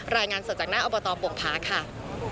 รายงานสดจากหน้าอบตโป่งผาค่ะ